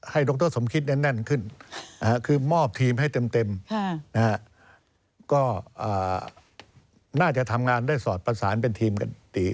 ดรสมคิตแน่นขึ้นคือมอบทีมให้เต็มก็น่าจะทำงานได้สอดประสานเป็นทีมกันอีก